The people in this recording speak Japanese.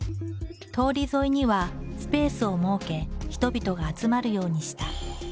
通り沿いにはスペースを設け人々が集まるようにした。